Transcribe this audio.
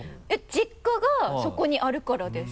実家がそこにあるからです。